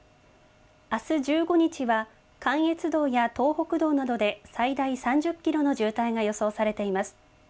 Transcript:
あす１５日は関越道や東北道などで最大３０キロの渋滞が予想されています。